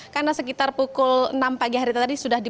karena sekitar pukul enam pagi hari tadi sudah dibuat